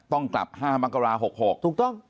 ต้องกลับ๕มกรา๖๖ถูกต้อง